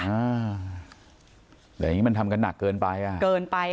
เดี๋ยวอย่างนี้มันทำกันหนักเกินไป